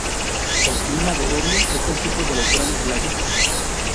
El clima de Erie es el típico de los Grandes Lagos.